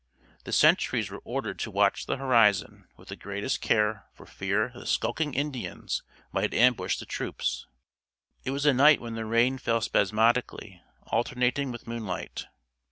The sentries were ordered to watch the horizon with the greatest care for fear the skulking Indians might ambush the troops. It was a night when the rain fell spasmodically alternating with moonlight.